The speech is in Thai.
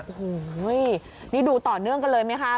โอ้โหนี่ดูต่อเนื่องกันเลยไหมคะ